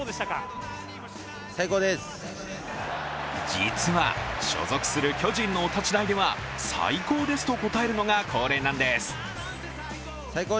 実は所属する巨人のお立ち台では「最高です」と答えるのが恒例なんです。